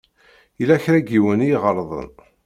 Yella kra n yiwen i iɣelḍen.